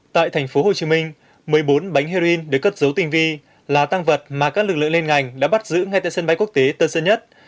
tại tp hcm một mươi bốn bánh heroin được cất dấu tình vi là tăng vật mà các lực lượng lên ngành đã bắt giữ ngay tại sân bay quốc tế tân sơn nhất